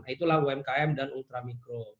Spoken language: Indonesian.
itulah umkm dan ultra mikro